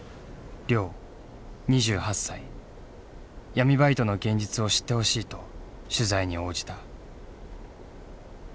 闇バイトの現実を知ってほしいと取材に応じた。